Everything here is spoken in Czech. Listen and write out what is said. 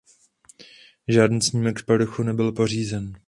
Žádný snímek z povrchu nebyl pořízen.